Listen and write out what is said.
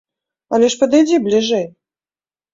Але ж падыдзі бліжэй!